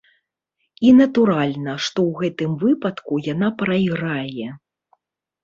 І, натуральна, што ў гэтым выпадку яна прайграе.